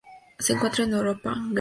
Se encuentra en Europa, Grecia.